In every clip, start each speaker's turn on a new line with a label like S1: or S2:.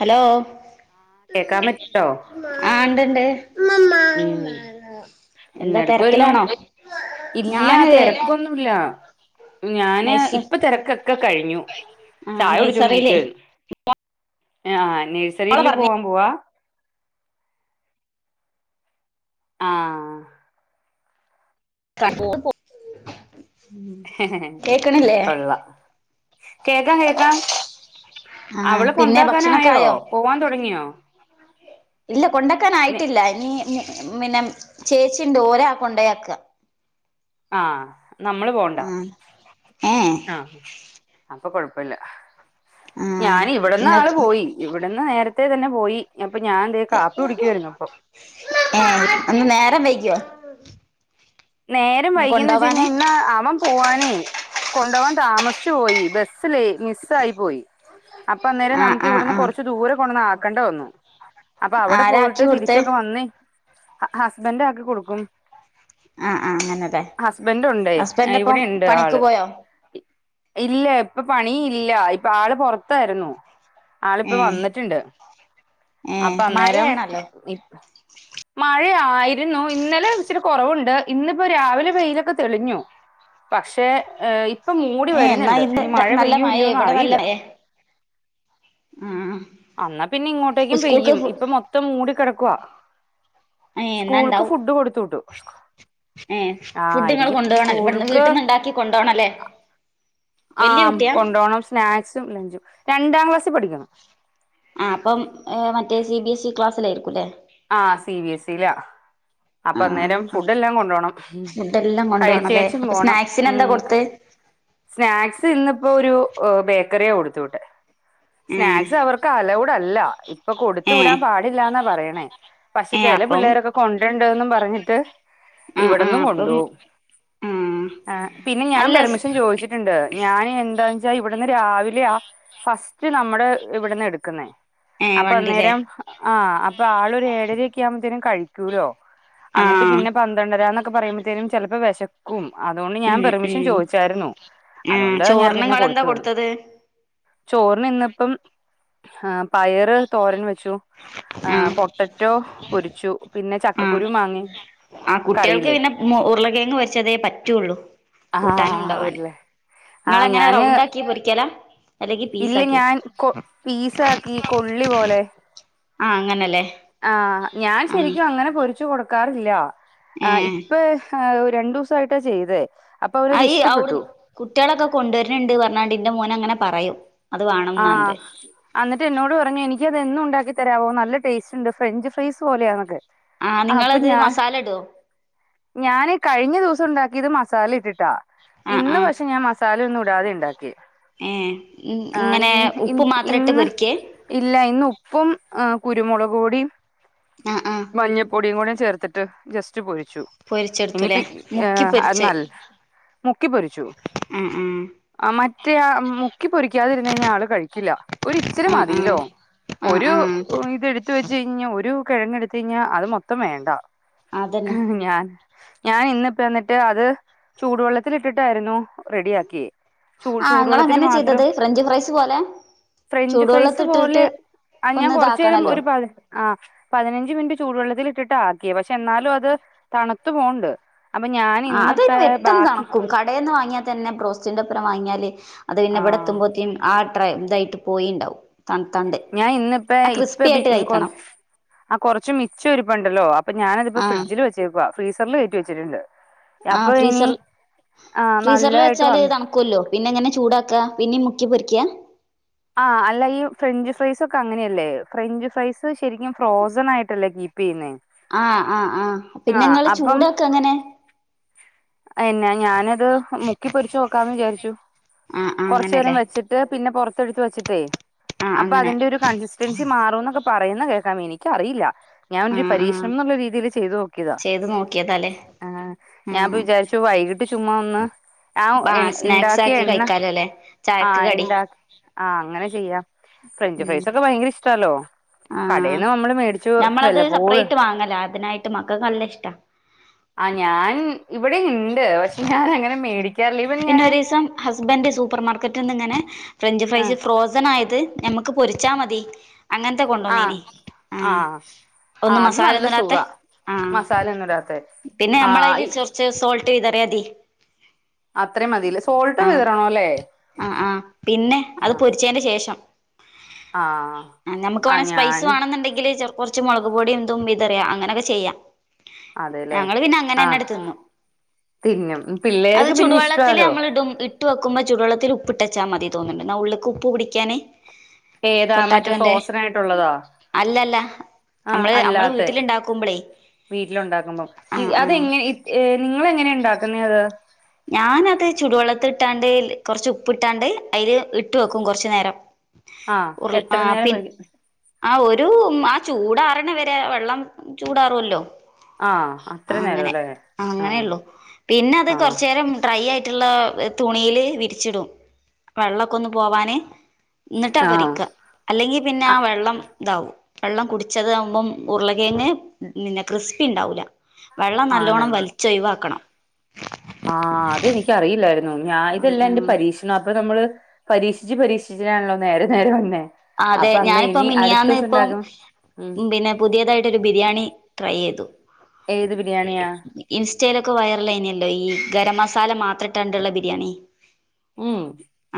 S1: Hello
S2: കേക്കാൻ പറ്റണ്ടോ
S1: ആഹ് ഇണ്ട്ണ്ട്
S2: ഉം
S1: എന്താ
S2: എന്നെടുക്കാര്ന്നു
S1: തിരക്കിലാണോ
S2: ഇല്ല
S1: ഞാന്
S2: തെരക്കൊന്നും ഇല്ല ഞാന്
S1: നൈസ
S2: ഇപ്പ തെരക്കൊക്കെ കഴിഞ്ഞു
S1: ആ
S2: ചായ
S1: നൈസറിയിലേ
S2: കുടിച്ചോണ്ടിരിക്കുവായിരുന്നു. ആഹ്
S1: മോളെ
S2: നേഴ്സറിയില്
S1: പറഞ്ഞ
S2: പോവാൻ പോവ്? ആഹ്
S1: [unintelligible]
S2: [unintelligible]
S1: കേക്കണില്ലേ
S2: കൊള്ളാം കേക്കാം കേക്കാം
S1: ആ
S2: അവളെ
S1: പിന്നെ ഭക്ഷണൊക്കെ
S2: കൊണ്ടാക്കാനായോ
S1: ആയോ
S2: പോവാൻ തൊടങ്ങിയോ?
S1: ഇല്ല കൊണ്ടാക്കൻ ആയിട്ടില്ല. ഇഞ്ഞ് ഇഞ്ഞ് പിന്നെ, ചേച്ചിണ്ട് ഓരാ കൊണ്ടയാക്ക
S2: ആഹ് നമ്മള് പോണ്ട
S1: ആ ഏ
S2: ആഹ് അപ്പ കൊഴപ്പല്ല.
S1: ആ
S2: ഞാന് ഇവിട്ന്ന് ആള്
S1: ഇങ്ങക്ക്
S2: പോയി. ഇവിട്ന്ന് നേരത്തെ തന്നെ പോയി. അപ്പ ഞാൻ തെ കാപ്പി കുടിക്കുവായിരുന്നു ഇപ്പം.
S1: ഏഹ് ഇന്ന് നേരം വൈകിയോ?
S2: നേരം
S1: ഇന്ന്
S2: വൈകീന്ന് വെച്ച
S1: കൊണ്ടോവാന്
S2: കഴിഞ്ഞാ ഇന്ന് അവൻ പോവാനെ കൊണ്ടവാൻ താമസ്ച്ചു പോയി. ബസ്സ് ലേ മിസ്സായി പോയി. അപ്പ അന്നേരം
S1: ആ
S2: നമുക്ക്
S1: ആ ആ
S2: ഇവിടെന്ന് കൊറച്ച് ദൂര കൊണ്ടന്ന് ആക്കണ്ട വന്നു. അപ്പ അവിടെ
S1: ആരാ
S2: പോയിട്ട്
S1: ആക്കി കൊടുത്തേ
S2: തിരിച്ചൊക്കെ വന്നി ഹസ്ബന്റ് ആക്കി കൊടുക്കും.
S1: ആഹ് ആഹ് അങ്ങനെതെ
S2: ഹസ്ബന്റ് ഉണ്ടേ ഏഹ് ഇവിടെണ്ട് ആള്.
S1: പോയോ
S2: ഇല്ല ഇപ്പ പണി ഇല്ല ഇപ്പ ആള് പൊറത്തായിര്ന്നു. ആള് ഇപ്പ
S1: ഏ
S2: വന്നിട്ടുണ്ട്.
S1: ഏ
S2: അപ്പ അന്നേരം
S1: മഴയാണല്ലോ
S2: മഴ ആയിര്ന്നു. ഇന്നലെ ഇച്ചിരി കൊറവ്ണ്ട്. ഇന്നിപ്പോ രാവിലെ വെയിലൊക്കെ തെളിഞ്ഞോ? പക്ഷേ ഏഹ് ഇപ്പം മൂടി
S1: ഏ എന്നാ
S2: വര്ന്ന്ണ്ട്.
S1: ഇന്ന്
S2: ഇനി മഴ
S1: നല്ല
S2: പെയ്യോ ഇല്ലോന്ന്
S1: ഇവിടെ
S2: അറിയില്ല.
S1: മ്മ്
S2: അന്നാ പിന്നെ ഇങ്ങോട്ടേക്കും പെയ്യും. ഇപ്പ മൊത്തം മൂടിക്കെടക്കുവാ.
S1: ഏ എന്നാ
S2: സ്കൂൾക്ക് ഫുഡ് കൊടുത്തു വിട്ടു.
S1: ഏഹ്
S2: ആ
S1: ഫുഡ് ഇങ്ങള്
S2: ആയിരിക്കും
S1: കൊണ്ടോണോ ഇവിട്ന്ന്
S2: സ്കൂൾക്ക്
S1: വീട്ട്ന്ന് ഇണ്ടാക്കി കൊണ്ടോണെല്ലേ?
S2: ആം കൊണ്ടോണം സ്നാക്സും ലഞ്ചും. രണ്ടാം ക്ലാസ്സി പഠിക്ക്ണ്
S1: ആഹ് അപ്പംഏഹ് മറ്റേ സി ബി എസ് ഇ ക്ലാസ്സിലായിരിക്കുല്ലേ?
S2: ആഹ് സി ബി എസ് ഇ ലാ അപ്പ
S1: ആ
S2: അന്നേരം ഫുഡ് എല്ലാം കൊണ്ടോണം. ഉം
S1: ഫുഡ് എല്ലാം
S2: കഴിച്ച്
S1: കൊണ്ടുപോണല്ലേ
S2: കഴിച്ച്
S1: അപ്പൊ
S2: പോണം.
S1: സ്നാക്സിന്
S2: ഉം
S1: എന്താ
S2: ക്
S1: കൊടുത്ത്
S2: സ്നാക്സ് ഇന്നിപ്പോ ഒരു ഓഹ് ബേക്കറിയ കൊട്ത്ത് വിട്ടേ.
S1: ഏ
S2: സ്നാക്സ് അവർ ക്ക് അലൗഡല്ല ഇപ്പ കൊട്ത്ത്
S1: ഏ
S2: വിടാപാടില്ലാന്നാ പറയണേ. ച്
S1: ഏ
S2: ചെല
S1: അപ്പം
S2: പിള്ളേരൊക്കെ കൊണ്ടര്ണ്ട്ന്നും പർഞ്ഞിട്ട്
S1: ആ ആ
S2: ഇവിട്ന്നും
S1: അപ്പം
S2: കൊണ്ടോവും.
S1: ആ
S2: ആഹ് പിന്നെ, ഞാൻ
S1: അല്ല
S2: പെർമിഷൻ ചോദിച്ചി ട്ട്ണ്ട്. ഞാന് എന്താന്ന്ച്ചാ ഇവിട്ന്ന് രാവിലെയ ഫസ്റ്റ് നമ്മടെ ഇവിട്ന്ന എട്ക്ക്ന്നേ.
S1: ഏ
S2: അപ്പ
S1: വണ്ടില്ലേ
S2: അന്നേരം ആഹ് അപ്പ ആളൊരു ഏഴരയൊക്കെ ആവുമ്പോത്തേനും കഴി ട്ടൂലോ
S1: ആ
S2: അന്നിട്ട് പിന്നെ പന്ത്രണ്ടര എന്നൊക്കെ പറയുമ്പത്തേനും ചിലപ്പോ വെശ ക്കും അതോണ്ട് ഞാൻ
S1: ഉം
S2: പെർമിഷൻ
S1: ഉം
S2: ചോദിച്ചായിരുന്നു
S1: ആഹ്
S2: അതുകൊണ്ട് ഞാൻ
S1: ചോറിന്
S2: പിന്നെ
S1: നിങ്ങളെന്താ
S2: കൊടുത്തുവിടുന്നെ
S1: കൊടുത്തത്
S2: ചോറിന് ഇന്നിപ്പം പയറ് തോരന് വെ ച്ചു ആ
S1: ആഹ്
S2: പൊട്ടറ്റോ പൊരിച്ചു പിന്നെ
S1: ആഹ്
S2: ചക്കക്കുരു മാങ്ങയും
S1: ആഹ് കുട്ടികൾക്ക്
S2: കറിയില്ലേ
S1: പിന്നെ ഉരുളക്കിഴങ്ങ് പൊരിച്ചതേ പറ്റുള്ളൂ
S2: ആ
S1: കൂട്ടാനും കൊണ്ടോവാൻ
S2: ഉരുളെ ആ
S1: നങ്ങളെങ്ങനെ
S2: ഞാന്
S1: റൗണ്ടാക്കി പൊരിക്കാലാ
S2: ഇല്ല ഞാൻ കൊ പീസാക്കി കൊള്ളി പോലെ
S1: ആഹ് അങ്ങനല്ലേ
S2: ആഹ് ഞാൻ
S1: ആഹ്
S2: ശരിക്കും അങ്ങനെ പൊരിച്ചു കൊടുക്കാറില്ല ആഹ്
S1: ഏഹ്
S2: ഇപ്പ ആഹ് ഒരു രണ്ടുസായിട്ടാ ചെയ്തേ അപ്പൊ അവരത്
S1: ആയ് അവിടു
S2: ഇഷ്ടപ്പെട്ടു
S1: കുട്ടികളൊക്കെ കൊണ്ടുവരുണുണ്ട് പർണാണ്ട് എന്റെ മോനങ്ങനെ പറയും അത് വേണംന്നാണ്ട്
S2: ആഹ് അന്നിട്ട് എന്നോട് പറഞ്ഞു എനിക്കതെന്നും ഉണ്ടാക്കി തരാവോ നല്ല ടേസ്റ്റ്ണ്ട് ഫ്രഞ്ച് ഫ്രൈസ് പോലെയാന്നൊക്കെ
S1: ആഹ്
S2: അപ്പൊ
S1: നിങ്ങളത്
S2: ഞാൻ
S1: മസാല ഇടുവോ
S2: ഞാൻ കഴിഞ്ഞ ദിവസം ഉണ്ടാക്കിയത് മസാല ഇട്ടിട്ടാ
S1: ആഹ്
S2: ഇന്ന്
S1: ആഹ്
S2: പക്ഷെ ഞാൻ മ സാല ഒന്നുടാതെ ഇണ്ടാക്കിയെ
S1: ഏഹ്
S2: ആഹ് ഇ
S1: ഇങ്ങനെ
S2: ഇ
S1: ഉപ്പ് മാത്രം ഇട്ട്
S2: ഇന്ന്
S1: പൊരിക്കേ
S2: ഇല്ല ഇന്ന് ഉപ്പും കുരുമുളകു പൊടിയും
S1: ആഹ് ആഹ്
S2: മഞ്ഞപ്പൊടിയും കൂടിയ ചേർത്തി ത് ജസ്റ്റ് പൊരിച്ചു ഇനിയിപ്പ
S1: പൊരിച്ചെടുത്തൂല്ലേ മുക്കി
S2: ഏഹ്
S1: പൊരിച്ച്
S2: അന്നൽ മുക്കി പൊരിച്ചു
S1: ആഹ് ആഹ്
S2: മറ്റേ ആഹ് മുക്കിപ്പൊ കിക്കാതിരന്ന് കഴിഞ്ഞാ ആള് കഴിക്കില്ല ഒരിച്ചിരി
S1: ആഹ്
S2: മതിലോ
S1: ആഹ്
S2: ഒരു
S1: ആഹ് ആഹ്
S2: ഇതിടുത്ത വെച്ച് കഴിഞ്ഞാൽ ഒരു കിഴങ്ങ് എടുത്ത കഴിഞ്ഞാൽ അത് മൊത്തം വേണ്ട
S1: അതന്നെ
S2: ആഹ് ഞാൻ ഞാൻ ഇന്നിപ്പ വന്നിട്ട് അത് ചൂടുവെള്ളത്തിലിട്ടിട്ടായിരുന്നു റെഡിയാക്കിയേ ചൂ
S1: ആഹ്
S2: ചൂടുവെള്ളത്തിൽ
S1: ഇങ്ങളങ്ങനെ
S2: മാത്രം
S1: ചെയ്തത് ഫ്രഞ്ച് ഫ്രൈസ് പോലെ
S2: ഫ്രഞ്ച് ഫ്രൈസ് പോലെ
S1: ചൂടുവെള്ളത്തിട്ടിട്ട്
S2: ആഹ് ഞാൻ
S1: ഒന്ന്
S2: കുറച്ചു നേരം
S1: ഇതാക്കണല്ലോ
S2: ഒരുപാ ആഹ് പതിനഞ്ച് മിനിറ്റ് ചൂടുവെള്ളത്തിൽ ഇട്ടിട്ടാക്കിയേ പക്ഷെ എന്നാലും അത് തണുത്തു പോവുണ്ട് അപ്പൊ ഞാൻ
S1: അതയ്ന് പെട്ടെന്ന് തണക്കും കടേന്ന് വാങ്ങിയാ തന്നെ പ്രോസ്റ്റിന്റൊപ്പുരം വാങ്ങിയാല് അത്
S2: ആ
S1: പിന്നെ ഇവിടെത്തുമ്പോത്തേനും ആത്രെ ഇതായിട്ട് പോയിട്ടുണ്ടാവും തണത്താണ്ട്
S2: ഞാൻ ഇന്നിപ്പ ഇപ്പ കൊറ ആഹ് കുറച്ച് മിച്ചിരുപ്പണ്ടല്ലോ അപ്പ ഞാനിതിപ്പോ
S1: ആഹ്
S2: ഫ്രിഡ്ജിൽ വച്ചു ഫ്രീസറിൽ കയറ്റി വെച്ചിട്ടുണ്ട്
S1: ആഹ്
S2: അപ്പൊ ഇനി
S1: ഫ്രീസർ
S2: ആഹ് നല്ലതായിട്ട് വ
S1: ക്കുല്ലോ പിന്നെ എങ്ങനെ ചൂടാക്കാ പിന്നെ മുക്കി പൊരിക്കിയ
S2: ആഹ് അല്ല ഈ ഫ്രഞ്ച് ഫ്രൈസൊക്കെ അങ്ങനെയല്ലേ ഫ്രഞ്ച് ഫ്രൈസ് ശരിക്കും ഫ്രോസൺ ആയിട്ടല്ലേ കീപ്പ് ചെയ്യുന്നെ
S1: ആഹ് ആഹ് ആഹ് പിന്നെങ്ങള് ചൂടാക്കെ അങ്ങനെ
S2: എന്നെ ഞാനത് മുക്കി പൊരിച്ചു നോക്കാന്ന് വിചാരിച്ചു
S1: ആഹ് ആഹ്
S2: കൊറച്ചു നേരം
S1: അങ്ങനെല്ലേ
S2: വെച്ചിട്ട് ഇത് പിന്നെ പുറത്ത് എടുത്തു വെച്ചിട്ടേ
S1: ആഹ്
S2: അപ്പോ
S1: അങ്ങനെ
S2: അതിന്റെ കൺസ്റ്ററ്റൻസി മാറുന്നൊക്കെ പറയുന്ന കേൾക്കാം എനിക്കറിയില്ല ഞാനൊരു
S1: ആഹ് ആഹ്
S2: പരീക്ഷണം എന്നുള്ള രീതിൽ ചെയ്ത് നോക്കിയതാ
S1: ചെയ്ത് നോക്കിയതാല്ലേ
S2: ആഹ് ഞാനപ്പോ
S1: ഉം
S2: വിചാരിച്ചു വൈകിട്ട് ചുമ്മാ ഒന്ന്
S1: ആ
S2: ഞാൻ
S1: സ്നാക്സ്
S2: ഇണ്ടാക്കിയ
S1: ആക്കി
S2: എണ്ണ
S1: കഴിക്കാലോല്ലേ ചായക്ക്
S2: ആഹ്
S1: കടി
S2: ഇണ്ടാ ആഹ് അങ്ങനെ ചെയ്യാം ഫ്രഞ്ച്
S1: ഉം
S2: ഫ്രൈസൊക്കെ ഭയങ്കര ഇഷ്ടാല്ലോ
S1: ആ
S2: കടയിന്ന് നമ്മള് മേടിച്ചു
S1: നമ്മളത്
S2: വല്ലപ്പോഴും
S1: സെപ്പറേറ്റ് വാങ്ങല [unintelligible] മക്കൾക്ക് നല്ല ഇഷ്ടാ
S2: ആഹ് ഞാൻ ഇവിടെയുണ്ട് പക്ഷെ ഞാൻ അങ്ങനെ മേടി
S1: പിന്നെ ഒരു ദിവസം ഹസ്ബൻഡ് സൂപ്പർ മാർക്കറ്റിൽ നിന്ന് ഇങ്ങനെ ഫ്രഞ്ച്
S2: ആ
S1: ഫ്രൈസ് ഫ്രോസണായത് നമ ക്ക് പൊരിച്ചാ മതി അങ്ങനത്തെ
S2: ആ
S1: കൊണ്ടോന്നീനി
S2: ആ
S1: ആഹ്
S2: ആ
S1: ഒന്നും
S2: അത് നല്ല
S1: മസാലയൊന്നും ഇടാത്തെ
S2: സുഖാ
S1: ആഹ്
S2: മസാല ഒന്നും ഇടാത്തെ
S1: പിന്നെ
S2: ആ ഇ
S1: നമ്മളതിൽ ചൊ ച സോൾട്ട് ചെയ്തറ അടി
S2: അത്രയും മതില്ലേ സോൾട്ട് കീറണോല്ലേ
S1: ആഹ് ആഹ് പിന്നെ അത് പൊരിച്ചേന്റെ ശേഷം
S2: ആ
S1: ആഹ് ഞമ്മക്
S2: ആ
S1: വേണം സ്പൈസ്
S2: ഞാന്
S1: വാണന്നുണ്ടെങ്കില് ചെറ് കോറച്ച് മുളക് പൊടിം തും വിതറിയാ അങ്ങനോക്കെ ചെയ്യാ
S2: അതെല്ലേ
S1: ഞങ്ങള് പിന്ന
S2: ആ
S1: അങ്ങനെന്നട്ത്തുന്നു
S2: തിന്നും ഉം,
S1: അത്
S2: പിള്ളേർക്ക് പിന്നെ
S1: ചുടുവെള്ളത്തില്
S2: ഇഷ്ടാലോ
S1: നമ്മൾ ഇടും ഈ ഇട്ട് വെക്ക്ബോ ചുടുവള്ളത്തില് ഉപ്പട്ടച്ചാ മതി തോന്ന്ൻണ്ട് എന്നാ ഉള്ള്ക്ക് ഉപ്പ് പുടിക്കാന്
S2: ഏതാ മറ്റേ ഫ്രോസൺ ആയിട്ടുള്ളതാ
S1: അല്ലല്ല
S2: ആഹ്
S1: നമ്മള് നമ്മള്
S2: അല്ലാത്തെ
S1: വീട്ടിലുണ്ടാക്കുമ്പളേ
S2: വീട്ടിലുണ്ടാക്കുമ്പോ ഈ
S1: ആഹ് ആഹ്
S2: അതെങ്ങന ഏഹ് നിങ്ങൾ എങ്ങനെയാ ഇണ്ടാക്ക്ന്നെ അത്
S1: ഞാന അത് ചുടുവെള്ളത്ത് ഇട്ടാണ്ട് കോറച്ച് ഉപ്പ് ഇട്ടാണ്ട് അയില് ഇട്ട് വെക്കും കോറച്ച് നേരം
S2: ആ
S1: ഉർ
S2: എത്ര
S1: ആഹ്
S2: നേരം
S1: പിന്
S2: വെ
S1: ആഹ് ഒരു ആഹ് ചൂടാറണ വരെ വെള്ളം ചൂടാറുല്ലോ
S2: ആഹ് അത്രയും നേരംല്ലേ ആഹ് ആഹ്
S1: ഭരം ഡ്രൈ ആയിട്ടുള്ള തുണിയില് വിരിച്ചിടും വെള്ളക്കൊന്നും പോവാന് എന്നിട്ടാ
S2: ആഹ്
S1: പൊരിക്ക അല്ലെങ്കിൽ പിന്ന ആഹ് വെള്ളം ഇതാവും വെള്ളം കുടിച്ചത് ആകുമ്പം ഉരുളകേങ്ങ് പിന്നെ ക്രിസ്പി ണ്ടാവൂല വെള്ളം നല്ലോണം
S2: ആണല്ലേ
S1: വലിച്ചൊഴിവാക്കണം
S2: ആഹ് അതെനിക്ക് അറിയില്ലായിരുന്നു ഞാൻ ഇതെല്ലാം എന്റെ പരീക്ഷണവാ അപ്പൊ നമ്മള് പരീക്ഷിച്ച് പരീക്ഷിച്ചട്ടാണല്ലോ നേരെ നേരെ വന്നേ
S1: ആഹ് അതെ
S2: അപ്പൊ അന്ന്
S1: ഞാനിപ്പം
S2: ഇനി അടുത്ത
S1: മിനിയാന്ന്
S2: ദിവസം
S1: ഇപ്പം
S2: ഉണ്ടാക്കും ഉം
S1: പിന്നെ- പുതിയതായിട്ടൊരു ബിരിയാണി ട്രൈ ചെയ്തു
S2: ഏത് ബിരിയാണിയാ
S1: ഇൻസ്റ്റയിലൊക്കെ വൈറൽ ആയിനില്ലോ ഈ ഗരം മസാല മാത്രട്ടാണ്ട് ഉള്ളെ ബിരിയാണി
S2: ഉം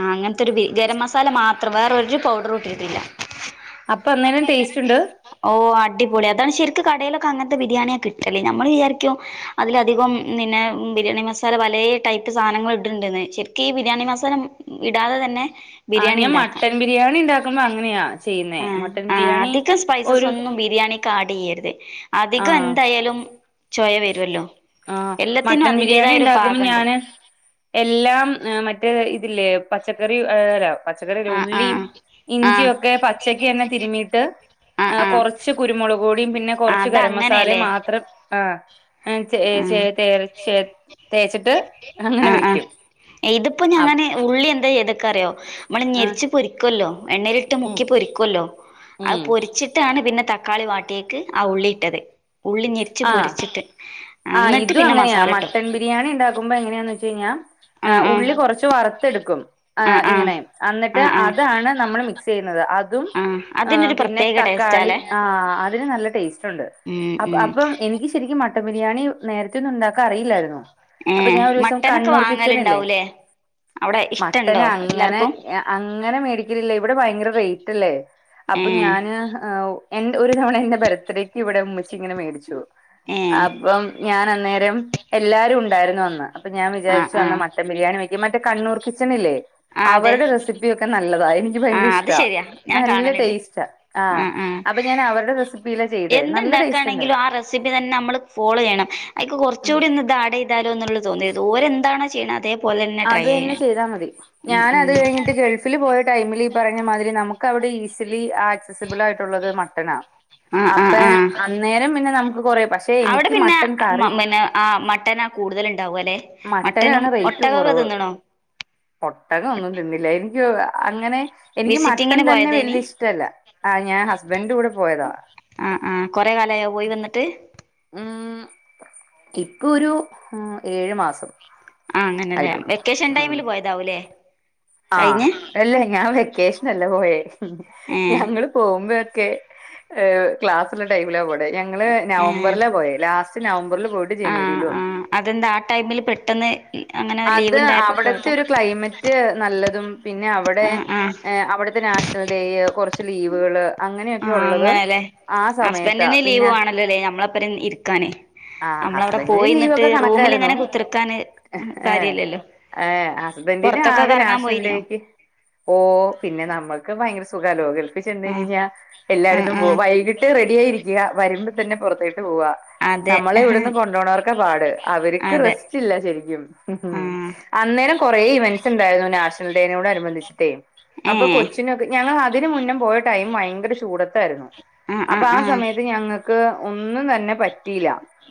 S1: ആഹ് അങ്ങനത്തെരു ബി ഗരം മസാല മാത്രം വേറോരു പൗഡറു ഇട്ടിട്ടില്ല അപ്പൊ
S2: അന്നേരം
S1: എന്നോരാ
S2: ടേസ്റ്റ് ഉണ്ട്
S1: ടെസ്റ്റ്‌ ഓഹ് അടിപൊളിയാ അതാണ് ശരിക്കും കടയിലൊക്കെ അങ്ങനത്തെ ബിരിയാണിയാ കിട്ടല് ഞമ്മള് വിയാരിക്കും അതിലധികം പിന്നെ ബിരിയാണി മസാല പലെ ടൈപ്പ് സാധനങ്ങള് ഇട്ടിട്ടുണ്ടന്ന് ശരിക്ക് ഈ ബിരിയാണി മസാല- ഇടാതെ തന്നെ
S2: ആഹ്
S1: ബിരിയാണി
S2: ഞാൻ
S1: ഇണ്ടാക്കാ
S2: മട്ടൻ ബിരിയാണി ഇണ്ടാക്കുമ്പോ അങ്ങനെയാ ചെയ്യുന്നേ
S1: ആഹ്
S2: മട്ടൻ
S1: ആഹ്
S2: ബിരിയാണി
S1: അധികം സ്പൈസസ്
S2: ഒരു
S1: ഒന്നും ബിരിയാണി- ആട് ചെയ്യരുത് അധികം
S2: ആഹ്
S1: എന്തയാലും- ചോയ വരുല്ലോ
S2: ആഹ്
S1: എല്ലാത്തിനും
S2: മട്ടൻ ബിരിയാണി
S1: അതിന്റേതായ ഒരു
S2: ഉണ്ടാക്കുമ്പോ
S1: പാകയുണ്ട്
S2: ഞാന് എല്ലാം മറ്റേ ഇതില്ലേ പച്ചക്കറി [unintelligible] പച്ചക്കറി അല്ല
S1: ആ ആ
S2: ഉള്ളിയും
S1: ആ
S2: ഇഞ്ചിയും ഒക്കെ പച്ചക്ക് തന്നെ തിരുമീയിട്ട്
S1: ആ ആ
S2: കൊറച്ച് കുരുമുളക് പൊടിയും പിന്നെ കൊറച്ച് ഗരം മസാലയും
S1: അതങ്ങനെയല്ലേ
S2: മാത്രം- ആഹ് ഹെ ചെ
S1: ആ
S2: തേച് തേച്ചിട്ട് അങ്ങനെ
S1: ആഹ്
S2: വെയ്ക്കും
S1: ആഹ് ഇതിപ്പോ ഞാന് ഉള്ളി എന്താ ചെയ്ത്ക്കാ അറിയാവോ നമ്മള്
S2: ആഹ്
S1: ഞെരിച്ച്- പൊരിക്കല്ലോ എണ്ണയിലിട്ട്
S2: ഉം
S1: മുക്കി പൊരിക്കല്ലോ അത്
S2: ഉം
S1: പൊരി - പൊരിച്ചിട്ടാണ് പിന്നെ തക്കാളി വാട്ടിയക്ക് ആഹ് ഉള്ളി ഇട്ടത് ഉള്ളി ഞെരിച്ച് പൊരിച്ചിട്ട്-
S2: ആഹ്
S1: എന്നിട്ട്
S2: ഇതും
S1: പിന്നെ
S2: അങ്ങനെയാ
S1: മസാല ഇട്ടു
S2: മട്ടൺ ബിരിയാണി ഉണ്ടാക്കുമ്പോ എങ്ങനാന്ന് വെച്ച് കഴിഞ്ഞാ
S1: ആഹ് ആഹ്
S2: ഉള്ളി കൊറച്ച്- വറത്ത് എടുക്കും ആഹ് ഇങ്ങനെ അന്നിട്ട്
S1: ആഹ് ആഹ്
S2: അതാണ് നമ്മള് മിക്സ്‌ ചെയ്യുന്നത് ആ- തും
S1: ആഹ്
S2: ആഹ്
S1: അതിനൊരു
S2: പിന്നെ
S1: പ്രത്യേക
S2: തക്കാളി
S1: ടേസ്റ്റാല്ലേ
S2: ആഹ് അതിന് നല്ല ടേസ്റ്റ്
S1: ഉം ഉം
S2: അപ്പം എനിക്ക് ശരിക്കും മട്ടൻ ബിരിയാണി നേരത്തെ ഒന്നും ഉണ്ടാക്കാൻ അറിയില്ലായിരുന്നു അപ്പൊ
S1: ഏഹ്
S2: ഞാൻ ഒരു ദെവസം
S1: മട്ടനൊക്കെ
S2: കണ്ണൂർ കിച്ചൺ ഇല്ലേ
S1: വാങ്ങലുണ്ടാവൂലേ അവിടെ
S2: മട്ടൻ
S1: ഇഷ്ടണ്ടോ
S2: അങ്ങനെ
S1: എല്ലാർക്കും
S2: ആഹ് അങ്ങനെ മേടിക്കലില്ല ഇവിടെ ഭയങ്കര റേറ്റ്ല്ലേ അപ്പൊ
S1: ഏഹ്
S2: ഞാന്- എൻ ഒരു തവണ എന്റെ ബർത്ത്ഡേക്ക് ഇവിടെ ഉമ്മിച്ചി ഇങ്ങന മേടിച്ചു
S1: ഏഹ്
S2: അപ്പം ഞാൻ അന്നേരം എല്ലാരും ഉണ്ടായിരുന്നു അന്ന് അപ്പൊ ഞാൻ
S1: ആഹ്
S2: വിചാരിച്ചു അന്ന്
S1: ആഹ്
S2: മട്ടൻ ബിരിയാണി വയ്ക്കും മറ്റേ കണ്ണൂർ കിച്ചണില്ലേ
S1: ആഹ് അതെ
S2: അവരുടെ റെസിപ്പിയൊക്കെ നല്ലതാ എനിക്ക്
S1: ആഹ് അത്
S2: ഭയങ്കരിഷ്ട
S1: ശരിയാ ഞാൻ
S2: നല്ല
S1: കാണലുണ്ട്
S2: ടേസ്റ്റാ ആഹ് അപ്പൊ ഞാൻ അവരുടെ റെസിപ്പിലാ ചെയ്തെ നല്ല ടേസ്റ്റ് ഉണ്ട്
S1: സിപ്പി തന്നെ നമ്മള് ഫോളോ ചെയ്യണം അയ്ക്ക്
S2: ഉം
S1: കൊറച്ച്കൂടി ഒന്ന് ആട് ചെയ്താലോന്നുള്ള- തോന്നിയത് ഓര് എന്താണോ ചെയ്യ്ണ അതെ -
S2: അത് തന്നെ ചെയ്താ മതി ഞാന്
S1: ഉം
S2: അത് കഴി- ട്ട് ഗൾഫില് പോയ ടൈമില് ഈ പറഞ്ഞ മാതിരി നമുക്ക് അവിടെ ഈസിലി ആക്സസിബിൾ ആയിട്ടുള്ളത് മട്ടണാ
S1: ആഹ് ആഹ്
S2: അപ്പെ
S1: ആഹ്
S2: അന്നേരം പിന്നെ നമക്ക് കൊറേ-
S1: അവിടെ
S2: എനിക്ക്
S1: പിന്നെ
S2: മട്ടൻ കറി
S1: പിന്നെ ആ മട്ടനാ കൂടുതൽ ഇണ്ടാവുകലെ-
S2: മട്ടനാണ് റേറ്റ് കൊറവ് ഒട്ടകൊന്നും തിന്നില്ല എൻക്ക്- അങ്ങനെ എനിക്ക് മട്ടൻ
S1: വിസിറ്റിങ്ങിന്
S2: തന്നെ
S1: പോയതേനി
S2: വല്ല്യ ഇഷ്ടല്ല ആ ഞാൻ ഹസ്ബന്റിന്റെ കൂടെ പോയതാ
S1: ആഹ് ആഹ് കൊറേ കാലായോ പോയി വന്നിട്ട്
S2: ഉം ഇപ്പൊരു ഏഴ് മാസം
S1: ആഹ് അങ്ങനെലെ
S2: ആയിട്ടുള്ളൂ
S1: വെക്കേഷൻ ടൈമില് പോയതാവുലെ
S2: ആഹ് അല്ലേ ഞാൻ വെക്കേഷനല്ല പോയേ
S1: ഏഹ്
S2: ഞങ്ങള് - പോവുമ്പോയൊക്കെ ഹ് ക്ലാസ് ഉള്ള ടൈമില പോണെ ഞങ്ങള്
S1: ഏഹ്
S2: നവംബറില പോയെ ലാസ്റ്റ്- നവംബറിൽ പോയിട്ട്
S1: ആഹ്
S2: ജനുവരില് വന്നു
S1: ആഹ് അതെന്താ ആ ടൈമിൽ പെട്ടെന്ന്- അങ്ങനെ ലീവ്
S2: അത്
S1: ഉണ്ടായപ്പോ
S2: അവിടത്തെ
S1: പോയതാ
S2: ഒരു ക്ലൈമ - റ്റ് നല്ലതും പിന്നെവിടെ
S1: ആഹ് ആഹ്
S2: ഹ് അവിടുത്തെ നാഷണൽ ഡേയ് കൊറച്ച് ലീവുകള്-
S1: ആ
S2: അങ്ങനെയൊക്കെ ഉള്ളത്
S1: അങ്ങനെല്ലേ
S2: ആ സമയത്താ
S1: ഹസ്ബന്റിന് ലീവ്
S2: പിന്നെ
S1: വേണല്ലോല്ലേ നമ്മളപ്പരം ഇരിക്കാന്.
S2: ആ
S1: അമ്മളവിടെ
S2: ഹസ്ബൻഡിന്
S1: പോയിന്നിട്ട്
S2: ലീവൊക്കെ കണക്കായിരുന്നു
S1: റൂമില്ങ്ങനെ കുത്തർക്കാന്.
S2: ഏഹ് ഏ ഹസ്ബന്റി
S1: പുറത്തൊക്കെ
S2: ആകെ
S1: കറങ്ങാൻ പോയിനോ
S2: നാഷണൽഡേക്ക്. ഓ പിന്നെ നമ്മക്ക് ഭയങ്കര സുഖ ലോ ഗൾഫിൽ ചെന്ന്
S1: ആഹ്
S2: കൈഞ്ഞയ്ഞ്ഞ.
S1: ആഹ്
S2: എല്ലായിടത്തും പോവും
S1: ആഹ്
S2: വൈകീട്ട് റെഡ്യായിരിക്ക വരുമ്പോ തന്നെ പുറത്തേട്ട് പോവാ.
S1: അതെ
S2: നമ്മളെവിടെന്ന് കൊണ്ടോനോർക്ക പാട് അവർക്ക്
S1: അതെ
S2: റെസ്റ്റ് ല്ല ശരിക്കും. ഉം
S1: ആഹ്
S2: അന്നേരം കൊറേ ഇവന്റ്സ് ണ്ടായിര്ന്നു നാഷണൽ ഡേനോട് അനുബന്ധിച്ചിട്ടെ. അപ്പൊ
S1: ഏഹ്
S2: കൊച്ചിന്. നോക്ക് ഞങ്ങളതിന് മുന്നെ പോയ ടൈം ഭയങ്കര ചൂടത്തായിര്ന്നു.
S1: ആഹ്
S2: അപ്പ
S1: ആഹ്
S2: ആ
S1: ആഹ്
S2: സമയത്ത് ഞങ്ങ ക്ക് ഒന്നും തന്നെ പഠി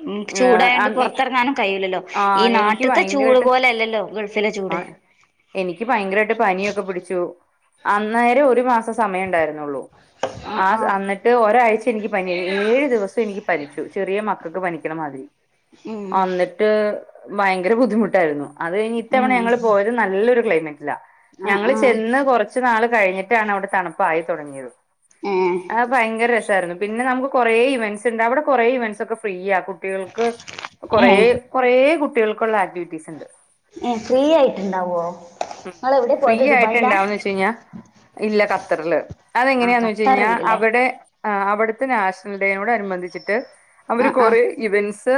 S1: ഉം ചൂടായോണ്ട് പൊർത്തെർങ്ങാനും കയ്യൂലല്ലോ ഈ
S2: ആഹ് എനിക്ക്
S1: നാട്ട്ത്തെ ചൂ ചൂട്
S2: ഭയങ്കരായിട്ട്
S1: പോലെ അല്ലല്ലോ ഗൾഫിലെ ചൂട്.
S2: ആഹ് എനിക്ക് ഭയങ്കരായിട്ട് പനിയൊക്കെ പിടിച്ചു. അന്നേരം ഒരു മാസം സമയം ണ്ടായിർന്നൊള്ളു.
S1: ആഹ്
S2: ആത്
S1: ആഹ്
S2: അനി ട്ട് ഒരാഴ്ച എനിക്ക് പനി യാർന്നു ഏഴു ദിവസം എനിക്ക് പനിച്ചു ചെറിയൊ മക്കക്ക് പനിക്ക്ണമാതിരി.
S1: ഉം
S2: അന്നിട്ട് ഭയങ്കര ബുദ്ധിമുട്ടായിരുന്നു. അത് കൈഞ്ഞ് ഇത്തവണ
S1: ഉം
S2: ഞങ്ങള് പോയതും. നല്ലൊരു ക്ലൈമറ്റ്ല
S1: ആഹ്
S2: ഞങ്ങള്
S1: ആഹ്
S2: ചെന്ന് കൊർച്ചു നാള് കഴിഞ്ഞിട്ടാണ്. അവിടെ തണുപ്പായി തൊടങ്ങിയത്.
S1: ഏഹ്
S2: ആഹ് ഭയങ്കര രസ പിന്നെ നമുക്ക് കുറേ ഇവൻസ് ണ്ട് അവിടെ കുറേ ഇവൻസ് സൊക്കെ ഫ്രീയാ കുട്ടികൾക്ക്. കൊറേ
S1: ഏഹ്
S2: കൊറെ കുട്ടികൾക്കുള്ള ആക്ടിവിറ്റി. എന്ത്
S1: ഏഹ് ഫ്രീ ആയിട്ടുണ്ടാവോ
S2: ഉം
S1: നിങ്ങള് എവിടെ
S2: ഫ്രീ
S1: പോയത്
S2: ആയിട്ട്
S1: ദുബായിലാ
S2: ഇണ്ടാവും ന്ന് വെച്ച് കഴിഞ്ഞാ ഇല്ല ഖത്തർള്
S1: ആഹ്
S2: അതെങ്ങനെയാന്ന് വെച്ച് കഴിഞ്ഞാ
S1: ഖത്തറില്ലല്ലേ
S2: അവിടെ എ അവട്ത്തെ നാഷണൽ ഡേ നോടനുബന്ധിച്ചിട്ട്. അവര്
S1: ആഹ് ആഹ്
S2: കൊറേ ഇവൻസ്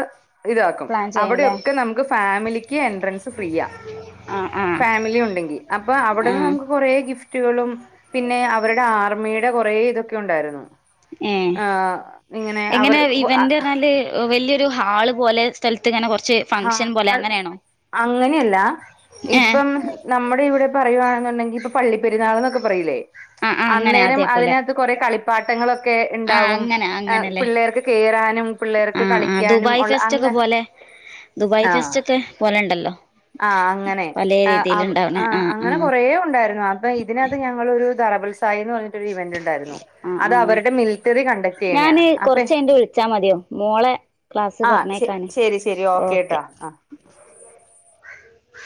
S2: ഇതാക്കും
S1: പ്ലാൻ ചെയ്യൂല്ലേ
S2: അവിടൊക്കെ നമുക്ക് ഫാമിലി എൻട്രൻസ് ഫ്രീയാ
S1: ആഹ് ആഹ്
S2: ഫാമിലി ഉണ്ടെങ്കി. അപ്പോ അവ്ടന്ന്
S1: ആഹ്
S2: കൊറൊ ഗിഫ്റ്റുകളും പിന്നെ അവരുടെ ആർമീടെ കൊറൊ തൊക്കെ ഉണ്ടായിരുന്നു.
S1: ഏഹ്
S2: ആ ഇങ്ങനെ അവർ ക്കൊ അ.
S1: ഹ് വല്ല്യൊരു ഹാള് പോലെ സ്ഥൽത്ത്ങ്ങനെ കൊർച്ച്.
S2: ആഹ അങ്ങനൊല്ല
S1: ഏഹ്
S2: ഇപ്പം നമ്മടെ ഇവിടെ പറയുവാണ്ന്നുണ്ടെങ്കി ഇപ്പൊ പള്ളിപ്പെരുന്നാൾ ന്നൊക്കെ പറയൂലേ.
S1: ആഹ് ആഹ് അങ്ങനെ
S2: അന്നേരം അതി
S1: അതേപോലെ
S2: അകത് കൊറെ കളിപ്പാട്ടങ്ങൾ. ക്കെ
S1: ആഹ്
S2: ണ്ടാവും
S1: അങ്ങനെ
S2: അ
S1: അങ്ങനെല്ലേ
S2: പിള്ളേർക്ക് കേറാനും പിള്ളേർക്ക്
S1: ആഹ് ആഹ്
S2: കളിക്കാനും
S1: ദുബായ്
S2: ഒള്ള
S1: ഫെസ്റ്റ്
S2: അങ്ങ
S1: ഒക്കെ പോലെ ദുബായ് ഫെസ്റ്റ് ഒക്കെ പോലുണ്ടല്ലോ
S2: ആ അങ്ങനെ
S1: ആഹ്
S2: അങ്ങനെ
S1: ആഹ്
S2: കുറേ ഉണ്ടായിരുന്നു അപ്പൊ ഇതിനകത്ത് ഞങ്ങളൊ ഒരു ധറബൽസായി എന്ന് പറഞ്ഞിട്ടു ഇവന്റ് ഉണ്ട്.
S1: ആഹ്
S2: അത്
S1: ആഹ്
S2: അവരുടെ മിലിറ്ററി കണ്ടക്ട് ചെയ്യണ
S1: ഞാന്
S2: അപ്പ
S1: കൊറച്ച് കഴിഞ്ഞിട്ട് വിളിച്ചാ മതിയോ മോളെ ക്ലാസ്
S2: ആഹ് ശ
S1: പറഞ്ഞേക്കാന്
S2: ശരി ശരി ഓക്കേ
S1: ഓക്കെ
S2: ട്ടാ ആ